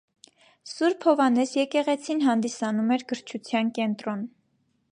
Ս. Հովհաննես եկեղեցին հանդիսանում էր գրչության կենտրոն։